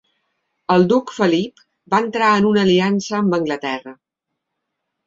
El duc Felip va entrar en una aliança amb Anglaterra.